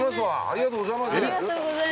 ありがとうございます。